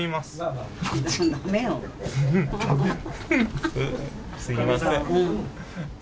すみません。